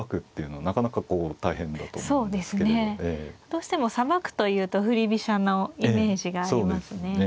どうしてもさばくというと振り飛車のイメージがありますね。